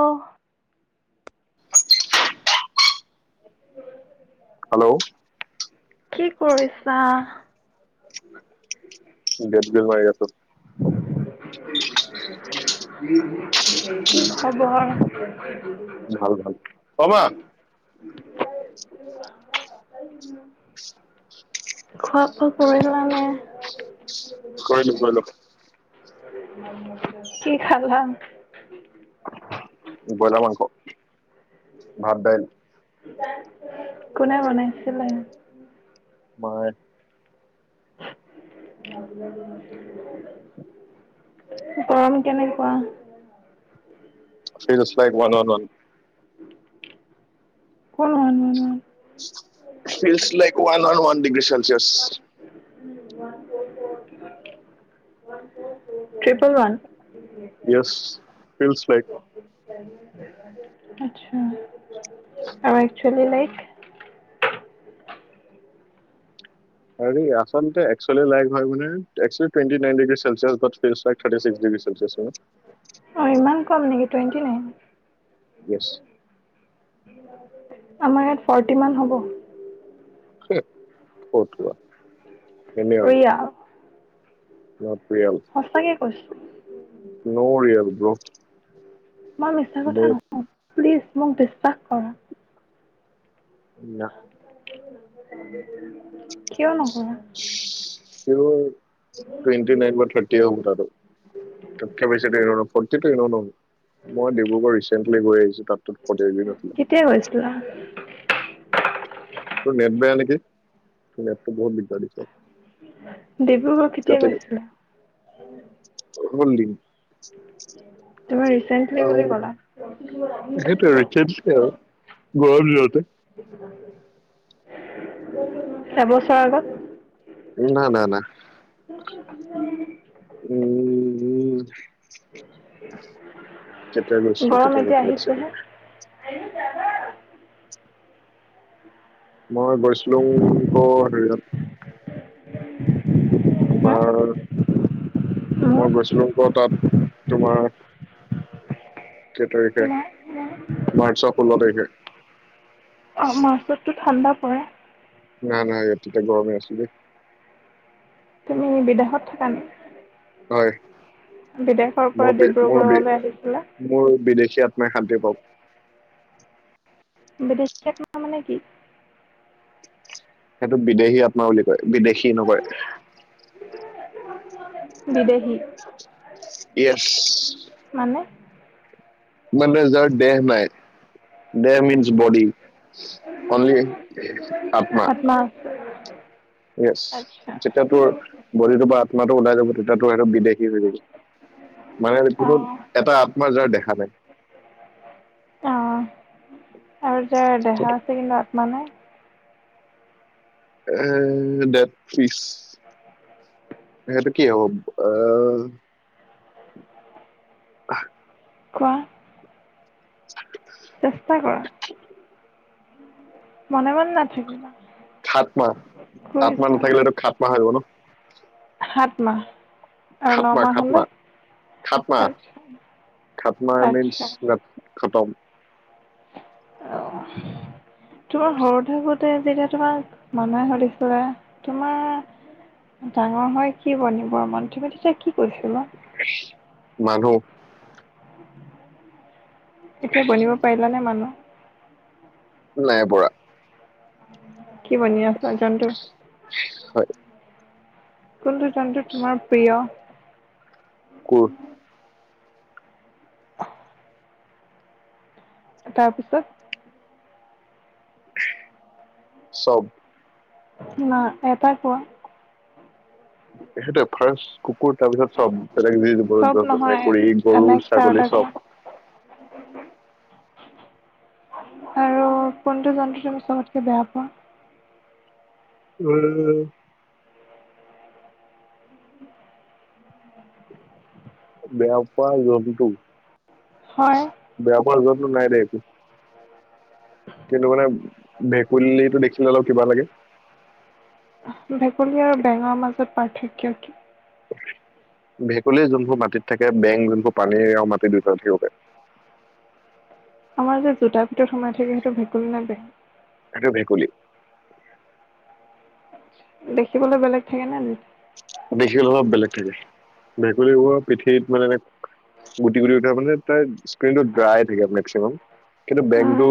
অ hello কি কৰিছা? Gate bell মাৰি আছোঁ। [inaudible] কি খবৰ? ভাল ভাল [inaudible] খব অ পৰিলানে কৰিলো কৰিলো কি খালা? বয়লাৰ মাংস ভাত দাইল কোনে বনাইছিলে? [inaudible] [unintelligible] গৰম কেনেকুৱা? [inaudible] [unintelligible] [unintelligible] [unintelligible] ট্ৰিপল ওৱান ইয়েচ [inaudible] আচ্ছা। আৰু একচোৱেলি লাইক? আৰে আচলতে একচুৱেলি লাইক হয় বুলি actually twenty nine degree celsius but feels like thirty six degree celsius অ ইমান কম নেকি টুৱেণ্টি নাইন ইয়েচ আমাৰ ইয়াত ফৰটি মান হব। হুহ ফতুৱা অ য়া ইহত সঁচাকে অয় ন' ৰিয়েল ব্ৰ মই মিছা কথা মই নকওঁ। প্লিজ মোক বিশ্বাস কৰা। না কিয়নো? টুৱেন্টি নাইন বা থাৰ্টি হব তাটো। তাতকে বেছিটো এনেও নহব। মই ডিব্ৰুগড় ৰিচেন্টলি [inaudible] [inaudible] কেতিয়া গৈছিলা তোৰ নেট বেয়া নেকি? তোৰ নেটটো বহুত দিগদাৰ দিছে ডিব্ৰুগড় কেতিয়া কাটি কাটি গৈছিলা? হল দিন তুমি ৰিচেন্টলি বুলি ক'লা [inaudible] এবছৰৰ আগত না, না, নাহ। উ উম উম [inaudible] কেতিয়া গৈছিলো কেতিয়া গৈছিলো এক চেকেণ্ড আৰু যাবা মই গৈছিলোংক কৰ হেৰিয়ত [inaudible] হা তোমাৰ মোৰ মই গৈছিলো কৰ তাত তোমাৰ কেই তাৰিখে তোমাৰ মোৰ মাৰ্চৰ ষোল্ল তাৰিখে অঁ মাৰ্চততো ঠাণ্ডা পৰে নাই নাই ইয়াত তেতিয়া গৰমে আছিলে দে। তুমি বিদেশত থাকা নি? হয় বিদেশৰ পৰা মোৰ বি- মোৰ ডিব্ৰুগড়লৈ বি- আহিছিলা মোৰ বিদেশী শান্তি পাও বিদেশী আত্মা মানে কি? সেইটো বিদেহী আত্মা বুলি কয় বিদেশী নকয় বিদেশ ইয়েছ মানে মানে যাৰ দেহ নাই দেহ মিন্ছ বডি অনলি আত্মা ইয়েছ আচ্ছা যেতিয়া তোৰ বডিটোৰ পৰা আত্মাটো ওলাই যাব তেতিয়া তোৰ সেইটো বিদেহী হৈ যাব। মানে অঁ কোনো এটা আত্মা যাৰ দেহা নাই অ আৰু যাৰ দেহা আছে সিহঁতৰ মানে এ ডেট ফিক্স সেইটো কি হব আহ আহহ কোৱা [inaudible] চেষ্টা কৰা মনে মনে নাথাকিবা খাট মাহ কৰি আাত মাহ যোৱা নাথাকিলেটো খাত মাহ হৈ গ ন সাত মাহ আৰু ন মাহ হ'লে খাতমা-খাতমা খাতমা আচ্ছা খাতমা মিঞ্চ আচ্ছা খতম। অ, তোমাৰ সৰু থাকোঁতে যেতিয়া তোমাক, মানুহে সুধিছিলে তোমাৰ ডাঙৰ হৈ কি বনিব মন, তুমি তেতিয়া কি কৈছিলা? [unintelligible] মানুহ। এতিয়া বনিব পাৰিলানে মানুহ? নাই পৰা। কি বনি আছা, জন্তু। হয় কোনটো জন্তু তোমাৰ প্ৰিয়। কত। তাৰ পিছত চব। না, এটা কোৱা। এখেতে ফাৰ্ষ্ট। কুকুৰ, তাৰ পিছত চব বেলেগ যি চব জীৱ-জন্তু আছে নহয় মেকুৰী, গৰু, নেক্সট আৰু ছাগলী এটা কোৱা চব। আৰু কোনটো জন্তু তুমি চবতকে বেয়া পোৱা। [unintelligible] বেয়া পোৱা জন্তু। হয় বেয়া পোৱা জন তোৰ নাই দে একো। কিন্তু মানে ভেঁকুলীটো দেখিলে অলপ কিবা লাগে। ভেঁকুলী আৰু বেংৰ মাজত পাৰ্থক্য কি? ভেঁকুলী যোনবোৰ মাটিত থাকে বেং যোনবোৰ পানী আৰু মাটিত দুটা থাকিব পাৰে। আমাৰ যে জোতাৰ ভিতৰত সোমাই থাকে সেইটো ভেকুলী নে বেং? সেইটো ভেঁকুলী। দেখিবলৈ বেলেগ থাকেনে। [unintelligible] দেখিবলৈ অলপ বেলেগ থাকে, ভেকুলী হোৱা পিঠিত মানে এনে গুটি উঠা মানে তাত স্কীনটো ড্ৰাই থাকে মেক্সিমাম কিন্তু অ', বেংটো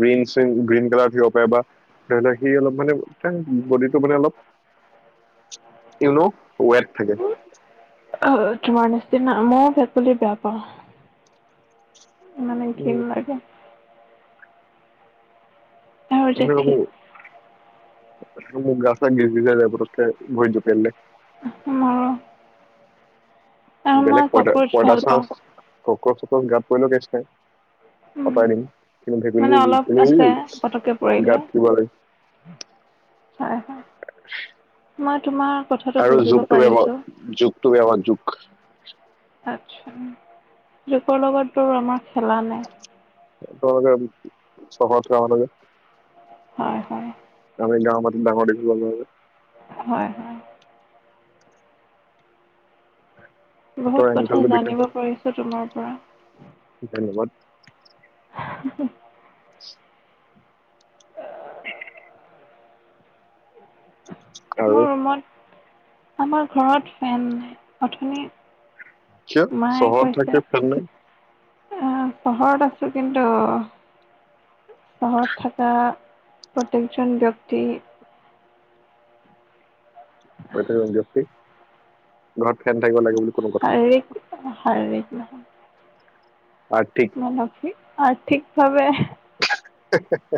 গ্ৰীণ চিন গ্ৰীণ কালাৰো থাকিব পাৰে বা সি অলপ মানে বডীটো অলপ ইউ ন ৱেট থাকে। তোমাৰ নিচিনা মইও ভেঁকুলী বেয়া পাওঁ। [unintelligible] আৰু জেঠী [unintelligible] মো গা চা গিছ-গিছাই যায় পতককে ভৰিত জঁপিয়াই দিলে। মোৰো। বেলেগ প-পদা ভাল চাচ পাওঁ। ক-ক। মোৰ গাত পৰিলেও কেচ নাই, উম, অতৰাই দিম। কিন্তু মানে অলপ আছে, ভেকুলীটো পতককে পৰিলে গাত দিব লাগে হয়-হয়। মই তোমাৰ কথাটো আৰু বুজিব জোকটো পাৰিছোঁ। [unintelligible] জোকটো [unintelligible] জোকটো। জোকৰ লগত বাৰু আমাৰ খেলা নাই। [unintelligible] হয় হয়। [unintelligible] গাঁৱ মাতে ডাঙৰ দেখিব হয়। হয় হয়। হাতৰ বহুত কথা এংকলটো জানিব বিষাইছে পাৰিছো তোমাৰ। [unintelligible] ধন্যবাদ। উ আৰু মোৰ ৰুমত। আমাৰ ঘৰত ফেন নাই অথনি কিয়? মায়ে চহৰত কৈছে থাকে ফেন নাই। চহৰত আছো কিন্তু চহৰত থকা প্ৰত্যয়েকজন ব্যক্তি ক গি [unintelligible] ঘৰত ফেন থাকিব লাগিব। আৰিক হাৰজ [unintelligible] আৰ্থিক মোৰ নাম কি? আৰ্থিকভাৱে হে হে হে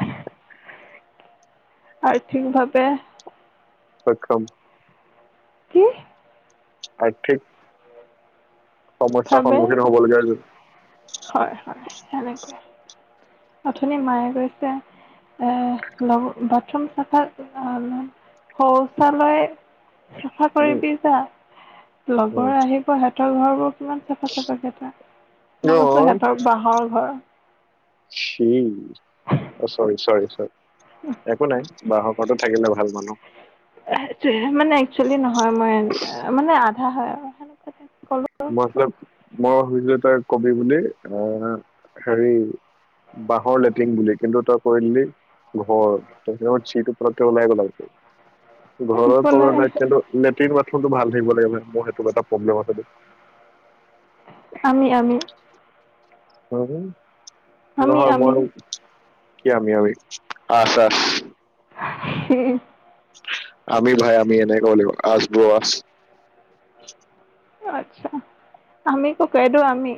আৰ্থিকভাৱে সক্ষম কি? আৰ্থিক সমস্যাৰ ভাবে, সন্মুখীন হ'বলগীয়া হৈছে হয় হয় সেনেকুৱাই। অথনি মায়ে গৈছে, এৰ বাথৰুম চাফা শৌচালয় চাফা উম কৰিবি যা, উম, লগৰ আহিব সিহঁতৰ ঘৰ বোৰ কিমান চাফা চাফা কেইটা। মই কৈছো অ', সিহঁতৰ বাঁহৰ ঘৰ। চি। অ, চৰি চৰি চৰি একো নাই বাহক। ঘতো থাকিলে ভাল মানুহ। মানে, এক্চেলি নহয় হয়। মই মানে হয় সেনেকুৱা। মতলব মই সুধিলো তই কবি বুলি আহ, হেৰি বাঁহৰ লেট্ৰিন বুলি কিন্তু তই কৈ দিলি ঘৰ, তাৰ পিছত চিটো ফতকে ওলাই গল। ঘৰৰ একো পৰা নাই লেট্ৰিন ফোনটো ভাল থাকিব লাগে ভাই। মই সেইটো এটা প্ৰব্লেম আছে দেই। আমি আমি [unintelligible] আমি নহয় আমি মই কি আমি আমি? আছ আছ হম। আমি ভাই আমি এনেকে ক'ব লাগিব আছ ব্ৰ' আছ। আচ্ছা, আমি ককাইদেউ আমি।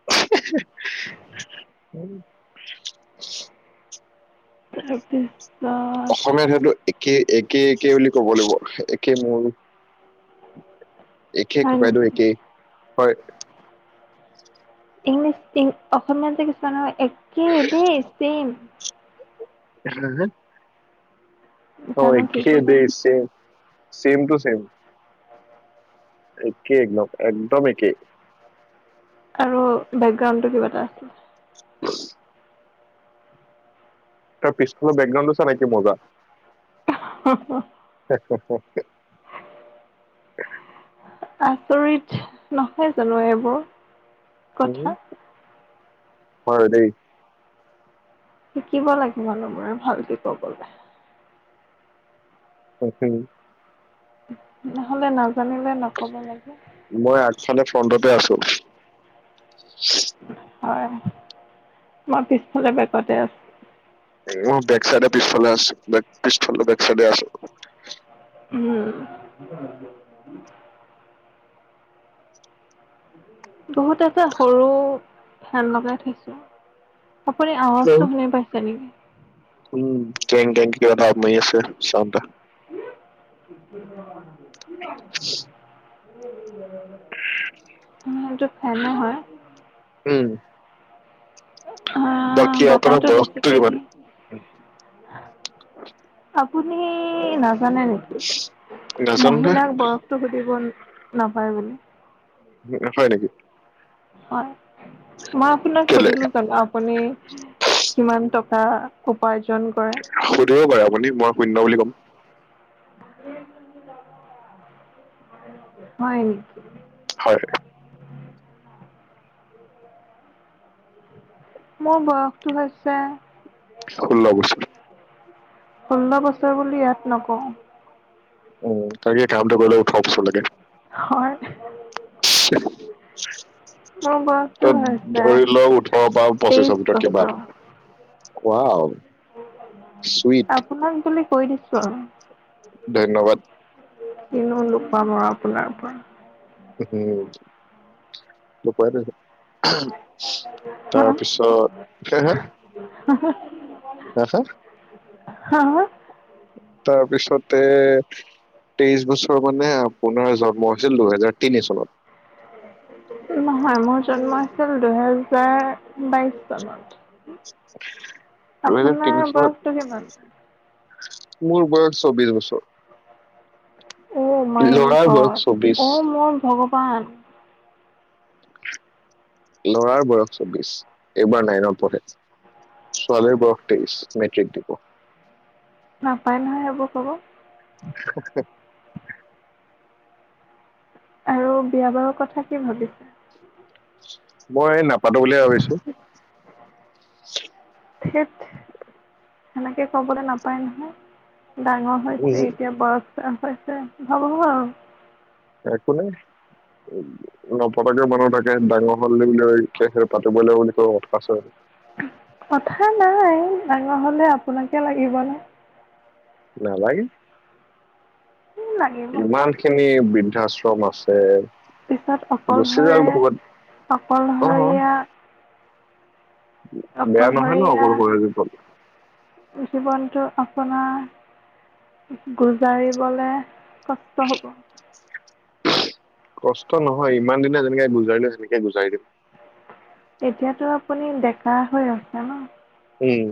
[unintelligible] [inaudible] অসমীয়াত সেইটো একেই এক একে একে বুলি ক'ব লাগিব, একে মোৰ একে হয় ককাইদেউ নেকি একে। হয়। ইংলিছ ইং অসমীয়াতে কিছুমানৰ এক কি দে চেম [unintelligible] অ', জানো কি একে ক'লোঁ the same. Same to same. একেই একদম, একদম একেই। আৰু বেকগ্ৰাউণ্ডটো কিবা এটা আছিল। তাৰ পিছফালৰ বেকগ্ৰাউণ্ডটো চা না কি মজা। হ হ আচৰিত নহয় জানো এইবোৰ। কথা হম। হয় দেই। শিকিব লাগিব [unintelligible] ভালকে ক'বলে। [unintelligible] নহ'লে ন'। জানিলে নক'ব লাগে। ফ্ৰণ্টটে আছোঁ। হয়, মই পিছফালে বেকতে আছোঁ। মোৰ বেকচাইডে পিছফালে আছি বেক পিছফালে বেকছাইডে আছে। উম। বহুত এটা সৰু ফেন লগাই থৈছোঁ। আপুনি উম আৱাজটো শুনি পাইছে নেকি? উম, কেং কেং কিবা এটা আপ মাৰি আছে, ছাউণ্ড এটা। [unintelligible] [inaudible] [unintelligible] সটো ফেনে হয়। উম আহ বাকী আপোনাৰ বতাহটো বয়সটো বেছিকে কিমান দি, আপুনি নাজানে নেকি নাজানো মহিলাক বয়সতো সুধিব নাপায় বুলি উ হয় নেকি? হয়। মই আপোনাক কেলে সুধিলো জানো আপুনি কিমান টকা উপাৰজ সুধিব পাৰে আপুনি মই শুন্য বুলি ক [inaudible] [inaudible] হয় নেকি? হয়। মোৰ বয়সটো হৈছে ষোল্ল বছৰ ষোল্ল বছৰ বুলি ইয়াত নকওঁ। উম কাৰ্য়াত কামটো কৰিলে ওঠৰ বছৰ লাগে। হয়। মোৰ বয়সটো ত হৈছে ধৰি লওক ওঠৰৰ পৰা তেইশ পঁচিশৰ ভিতৰত কিবা। বছৰ। কোৱা। আপোনাক বুলি কৈ দিছো আৰু ধন্যবাদ কিনো লুকাম আৰু আপোনাৰ পৰা উম [unintelligible] তাৰপিছত সে হে আহা কোৱাচোন- হা তাৰপিছতে তেইছ বছ মানে পোনাৰ জন্ম হৈছিল দুহেজাৰ তিনি চনত। নহয় মোৰ জন্ম আছিল দুহেজাৰ বাইশ চনত। দুহেজাৰ আপোনাৰ তিনি বয়সটো কিমান? চনত। মোৰ বয়স চব্বিশ বছৰ। অ মাই ল'ৰাৰ বয়স গদ, চৌবিশ অ মই ভগৱা পান লৰাৰ বয়স চব্বিশ এইবাৰ নাইনত পঢ়ে, ছোৱালীৰ বয়স তেইশ মেট্ৰিক দিব। নাপায় নহয় সেইবোৰ কব। হা হা আৰু বিয়া বাৰুৰ কথা কি ভাবিছে? মই নাপাতো বুলিয়ে ভাবিছোঁ। ঠেট, সেনেকে কবলৈ নাপায় নহয়। ডাঙৰ হৈছে এতিয়া বয়স পছে ভাব আৰু একো নাই নপতাকে মানুহ তাকে ডাঙৰ হল বুলি পাতিবই ল বুলি কয় মতকা কথা নাই ডাঙৰ হলে আপোনাকে লাগিব ন নালাগে লাগিব ইমান খিনি বৃদ্ধাশ্ৰম আছে পিছত গুচি অকলশৰে যাওক ক'ৰবাত অ অকলশৰীয়া বেয়া নহয় ন অকলশৰীয়া অকলে কৰি দিব? জীৱনটো আপোনাৰ গুজাৰিবলৈ কষ্ট হব কষ্ট নহয় ইমান দিনে যেনেকে গুজাৰিলো সেনেকে গুজাৰি দিম এতিয়াতো আপুনি ডেকা হৈ আছে ন উম